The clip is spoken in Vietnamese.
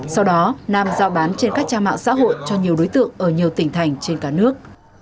sau đó nam giao bán trên các trang mạng xã hội cho nhiều đối tượng ở nhiều tỉnh thành trên cả nước